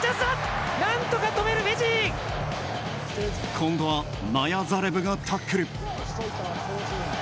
今度はナヤザレブがタックル。